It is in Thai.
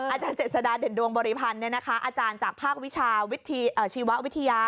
อาจารย์เจษฎาเด่นดวงบริพันธ์อาจารย์จากภาควิชาชีววิทยา